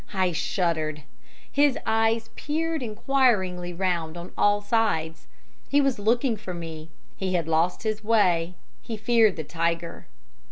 I shuddered. His eyes peered enquiringly round on all sides; he was looking for me; he had lost his way; he feared the tiger.